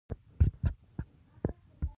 مقناطیس د حرکت کوونکي برېښنا له امله جوړېږي.